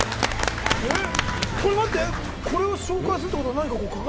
待って、これを紹介するってことは何か。